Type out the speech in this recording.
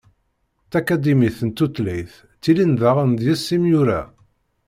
Takadimit n tutlayt ttilin daɣen deg-s imyura.